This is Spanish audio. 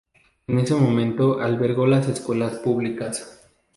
En ese momento albergó las escuelas públicas.